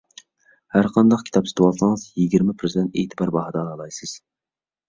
ھەرقانداق كىتاب سېتىۋالسىڭىز، يىگىرمە پىرسەنت ئېتىبار باھادا ئالالايسىز.